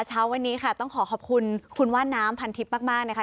เช้าวันนี้ค่ะต้องขอขอบคุณคุณว่าน้ำพันทิพย์มากนะคะ